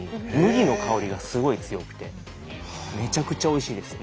麦の香りがすごい強くてめちゃくちゃおいしいです。